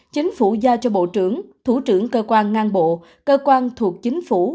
chính phủ giao cho bộ trưởng thủ trưởng cơ quan ngang bộ cơ quan thuộc chính phủ